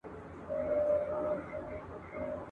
ویل ورکه یم په کورکي د رنګونو ..